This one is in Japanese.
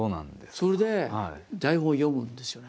それで台本を読むんですよね。